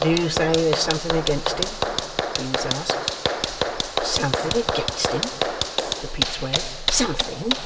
'Do you say there's something against him?' Venus asks. 'Something against him?' repeats Wegg. 'Something?